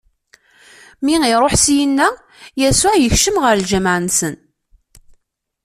Mi iṛuḥ syenna, Yasuɛ ikcem ɣer lǧameɛ-nsen.